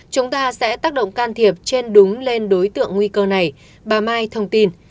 chúng ta sẽ tác động can thiệp trên đúng lên đối tượng nguy cơ này bà mai thông tin